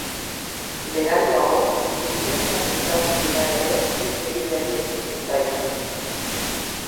Beranduago, hizkuntza mintzatu gira ere hitz egiteari utzi zitzaion.